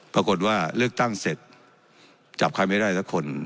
ปรากฏว่าเลือกตั้งเสร็จจับใครไม่ได้สักคน